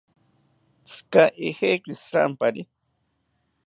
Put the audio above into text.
¿Tzika ejeki shirampari?